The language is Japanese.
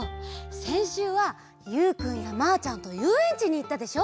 せんしゅうはゆうくんやまあちゃんとゆうえんちにいったでしょ。